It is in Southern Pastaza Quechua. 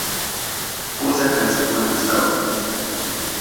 Pulsa kamisakuna gustawan.